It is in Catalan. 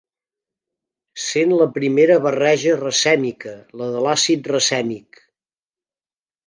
Sent la primera barreja racèmica la de l'àcid racèmic.